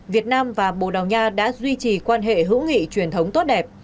việt nam và bồ đào nha đã duy trì quan hệ hữu nghị truyền thống tốt đẹp